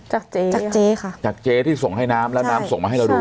จากเจ๊จากเจ๊ค่ะจากเจ๊ที่ส่งให้น้ำแล้วน้ำส่งมาให้เราดู